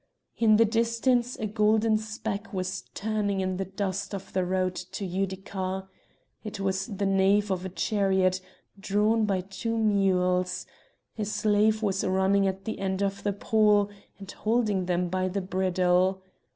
In the distance a golden speck was turning in the dust on the road to Utica; it was the nave of a chariot drawn by two mules; a slave was running at the end of the pole, and holding them by the bridle.